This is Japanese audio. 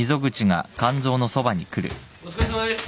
お疲れさまです！